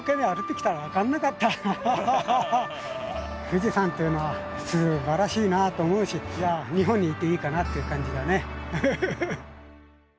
富士山というのはすばらしいなと思うし日本にいていいかなという感じがね。